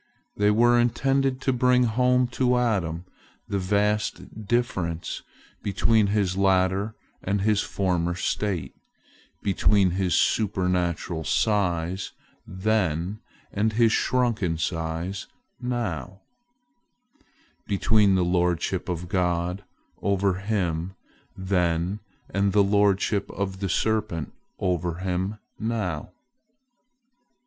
They were intended to bring home to Adam the vast difference between his latter and his former state—between his supernatural size then and his shrunken size now; between the lordship of God over him then and the lordship of the serpent over him now.